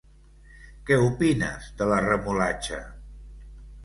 Què opines de la remolatxa?